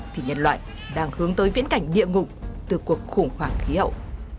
thì nhân loại đang hướng tới viễn cảnh địa ngục từ cuộc khủng hoảng khí hậu